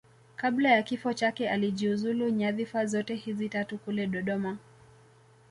Kabla ya kifo chake alijiuzulu nyadhifa zote hizi tatu kule Dodoma